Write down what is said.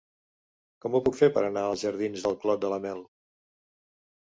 Com ho puc fer per anar als jardins del Clot de la Mel?